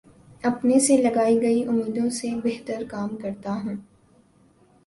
اپنے سے لگائی گئی امیدوں سے بہترکام کرتا ہوں